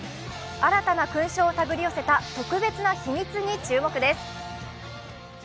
新たな勲章をたぐり寄せた特別な秘密に注目です。